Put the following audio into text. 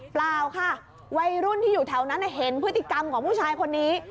เปล่าค่ะวัยรุ่นที่อยู่แถวนั้นเห็นพฤติกรรมของผู้ชายคนนี้